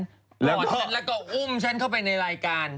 รอฉันแล้วก็อุ้มฉันเข้าไปในรายการ